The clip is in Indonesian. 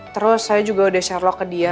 terus saya juga udah share lock ke dia